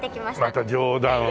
また冗談を。